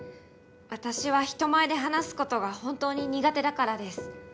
私は人前で話すことが本当に苦手だからです。